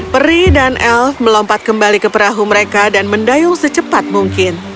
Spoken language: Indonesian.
peri dan elf melompat kembali ke perahu mereka dan mendayung secepat mungkin